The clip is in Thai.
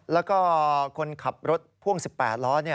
แล้วก็คนขับรถพ่วง๑๘ล้อ